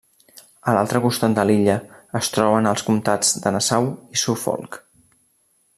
A l'altre costat de l'illa es troben els comtats de Nassau i Suffolk.